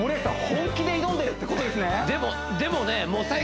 本気で挑んでるってことですね？